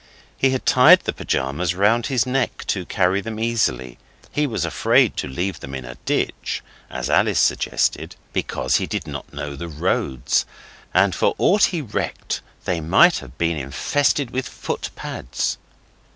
He had tied the pyjamas round his neck, to carry them easily. He was afraid to leave them in a ditch, as Alice suggested, because he did not know the roads, and for aught he recked they might have been infested with footpads.